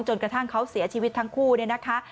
กระทั่งเขาเสียชีวิตทั้งคู่เนี่ยนะคะ